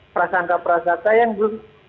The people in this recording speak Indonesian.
prasangka prasata yang belum